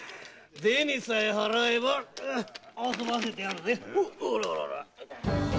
銭さえ払えば遊ばせてやるぜ。